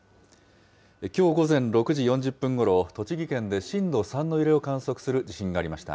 きょう午前６時４０分ごろ、栃木県で震度３の揺れを観測する地震がありました。